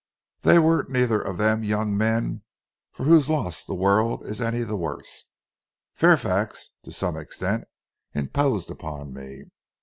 They were neither of them young men for whose loss the world is any the worse. Fairfax to some extent imposed upon me.